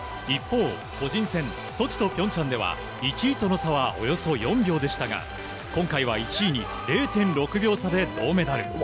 一方、個人戦ソチと平昌では１位との差はおよそ４秒でしたが今回は１位に０．６秒差で銅メダル。